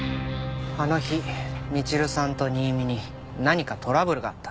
あの日みちるさんと新見に何かトラブルがあった。